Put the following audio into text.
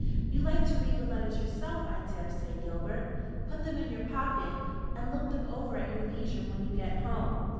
You'd like to read the letters yourself, I daresay, Gilbert. Put them in your pocket, and look them over at your leisure when you get home.